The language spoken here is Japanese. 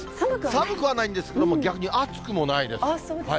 寒くはないんですけれども、逆に暑くもないです。